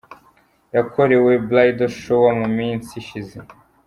Yakorewe Bridal Shower mu minsi ishize.